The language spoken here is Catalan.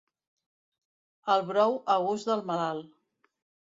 El brou, a gust del malalt.